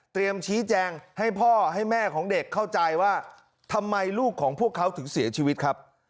ชี้แจงให้พ่อให้แม่ของเด็กเข้าใจว่าทำไมลูกของพวกเขาถึงเสียชีวิตครับ